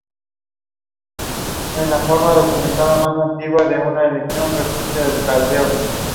Su abuela materna era Carrie Horton Blackman, una exitosa pintora de retratos.